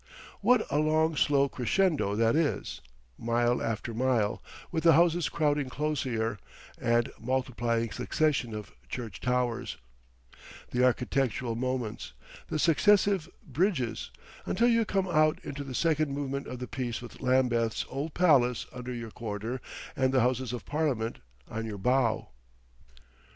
What a long slow crescendo that is, mile after mile, with the houses crowding closelier, the multiplying succession of church towers, the architectural moments, the successive bridges, until you come out into the second movement of the piece with Lambeth's old palace under your quarter and the houses of Parliament on your bow!